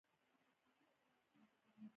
هغه کسان حق لري چې وګړي تر پوښتنې لاندې ونیسي.